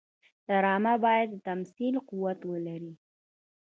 ډرامه باید د تمثیل قوت ولري